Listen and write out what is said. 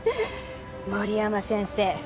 森山先生